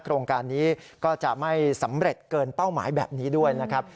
โครงการนี้ก็จะไม่สำเร็จเกินเป้าหมายแบบนี้ด้วยนะครับ